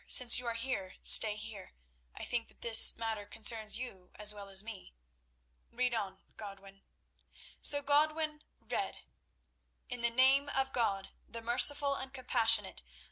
Since you are here, stay here. I think that this matter concerns you as well as me. Read on, Godwin." So Godwin read: "In the Name of God, the Merciful and Compassionate!